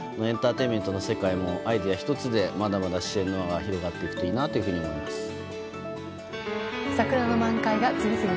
エンターテインメントの世界もアイデア１つでまだまだ支援の輪が広がっていくといいなと思います。